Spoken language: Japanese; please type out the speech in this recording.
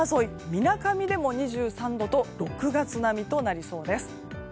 みなかみでも２３度と６月並みとなりそうです。